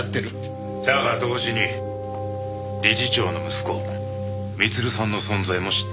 だが同時に理事長の息子光留さんの存在も知った。